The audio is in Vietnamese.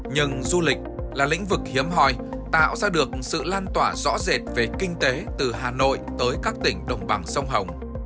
nhưng du lịch là lĩnh vực hiếm hòi tạo ra được sự lan tỏa rõ rệt về kinh tế từ hà nội tới các tỉnh đông băng sông hồng